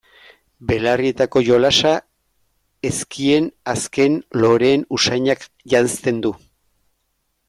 Belarrietako jolasa ezkien azken loreen usainak janzten du.